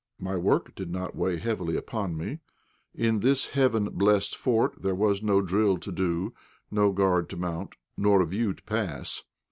My work did not weigh heavily upon me. In this heaven blest fort there was no drill to do, no guard to mount, nor review to pass.